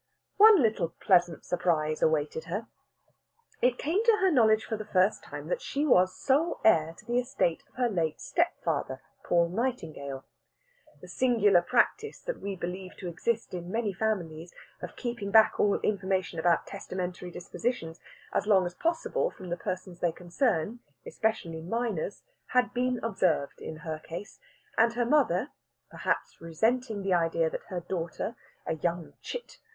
One little pleasant surprise awaited her. It came to her knowledge for the first time that she was sole heir to the estate of her late stepfather, Paul Nightingale. The singular practice that we believe to exist in many families of keeping back all information about testamentary dispositions as long as possible from the persons they concern, especially minors, had been observed in her case; and her mother, perhaps resenting the idea that her daughter a young chit!